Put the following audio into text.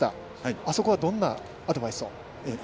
あそこはどんなアドバイスを？